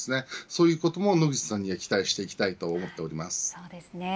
そういうことも野口さんに期待したいと思っています。